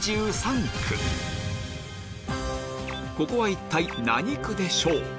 ここは一体何区でしょう？